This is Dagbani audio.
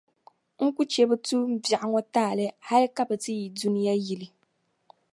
N ku chɛ bɛ tuumbiɛɣu ŋɔ taali hal ka bɛ ti yi dunia yili.